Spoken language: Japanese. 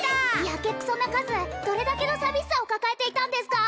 ヤケクソな数どれだけの寂しさを抱えていたんですか？